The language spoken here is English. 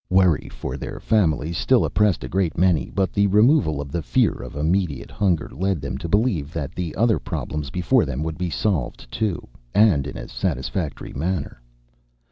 Worry for their families still oppressed a great many, but the removal of the fear of immediate hunger led them to believe that the other problems before them would be solved, too, and in as satisfactory a manner.